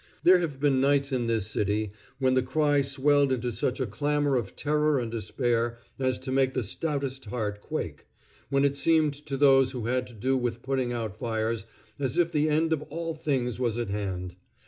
There have been nights in this city when the cry swelled into such a clamor of terror and despair as to make the stoutest heart quake when it seemed to those who had to do with putting out fires as if the end of all things was at hand.